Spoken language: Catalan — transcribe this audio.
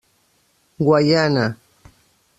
Guaiana.